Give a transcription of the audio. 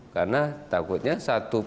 karena takutnya satu pompa